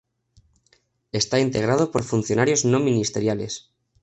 Está integrado por funcionarios no ministeriales.